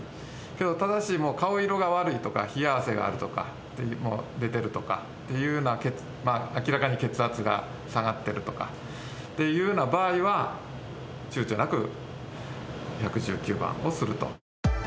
けど、ただし、顔色が悪いとか、冷や汗がある、出てるとかっていうような、明らかに血圧が下がってるっていうような場合は、ちゅうちょなく１１９番をすると。